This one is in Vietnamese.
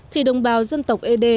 thì đồng bào dân tộc ế đê